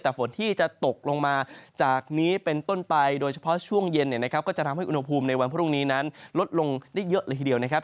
แต่ฝนที่จะตกลงมาจากนี้เป็นต้นไปโดยเฉพาะช่วงเย็นเนี่ยนะครับก็จะทำให้อุณหภูมิในวันพรุ่งนี้นั้นลดลงได้เยอะเลยทีเดียวนะครับ